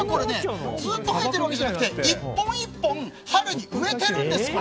ずっと生えてるわけじゃなくて１本１本、春に植えているんです。